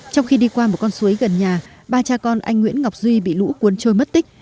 trong khi đi qua một con suối gần nhà ba cha con anh nguyễn ngọc duy bị lũ cuốn trôi mất tích